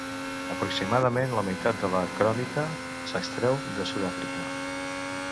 Aproximadament la meitat de la cromita s'extreu de Sud-àfrica.